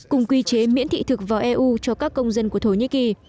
cùng quy chế miễn thị thực vào eu cho các công dân của thổ nhĩ kỳ